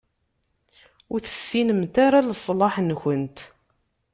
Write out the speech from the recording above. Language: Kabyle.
Ur tessinemt ara leṣlaḥ-nkent.